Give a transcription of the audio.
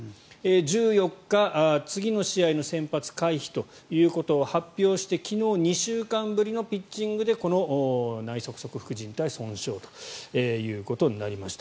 １４日、次の試合の先発回避ということを発表して昨日、２週間ぶりのピッチングで内側側副じん帯損傷となりました。